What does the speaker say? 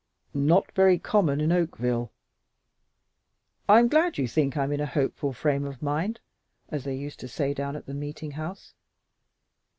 "Not very common in Oakville. I'm glad you think I'm in a hopeful frame of mind, as they used to say down at the meeting house.